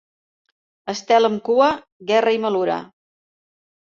Estel amb cua, guerra i malura.